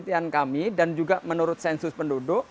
perhatian kami dan juga menurut sensus penduduk